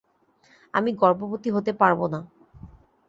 আমি গর্ভবতী হতে পারব না।